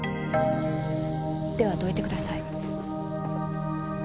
ではどいてください。